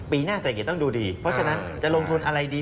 ปีหน้าเศรษฐกิจต้องดูดีเพราะฉะนั้นจะลงทุนอะไรดี